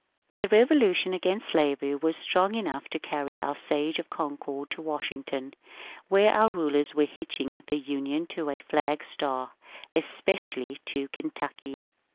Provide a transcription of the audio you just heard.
The revolution against slavery was strong enough to carry our " Sage of Concord " to Washington, where our rulers were hitching the Union to a flag star, especially to Ken tucky.